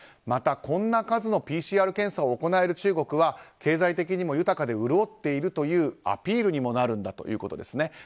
また、こんな数のＰＣＲ検査を行える中国は経済的にも豊かで潤っているというアピールにもなるんだということですね。